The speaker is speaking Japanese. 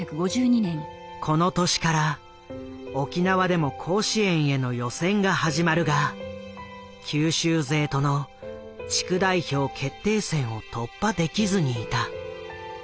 この年から沖縄でも甲子園への予選が始まるが九州勢との地区代表決定戦を突破できずにいた。